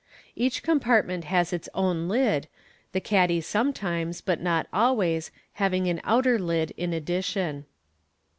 Each compartment has its own lid, the caddy sometimes, but not always, having an outer lid in addition.